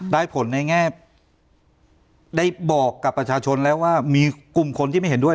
ได้ผลในแง่ได้บอกกับประชาชนแล้วว่ามีกลุ่มคนที่ไม่เห็นด้วย